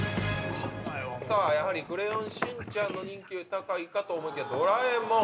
さぁやはりクレヨンしんちゃんの人気が高いかと思いきやドラえもん。